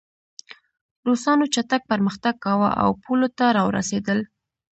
روسانو چټک پرمختګ کاوه او پولو ته راورسېدل